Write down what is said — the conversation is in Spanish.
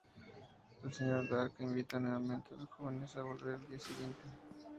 El Sr. Dark invita nuevamente a los jóvenes a volver al día siguiente.